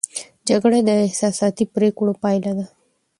جګړه د احساساتي پرېکړو پایله ده.